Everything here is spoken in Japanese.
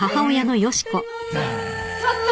ちょっと！